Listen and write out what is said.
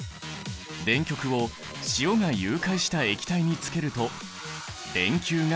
電極を塩が融解した液体につけると電球が光った。